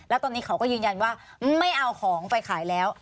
แล้วตอนนี้เขาก็ยืนยันว่าไม่เอาของไปขายแล้ว